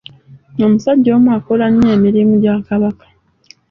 Omusajja omu akola nnyo emirimu gya Kabaka.